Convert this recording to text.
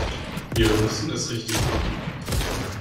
Wir müssen es richtig machen.